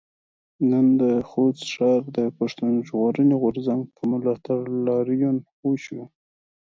نن د خوست ښار کې د پښتون ژغورنې غورځنګ په ملاتړ لاريون وشو.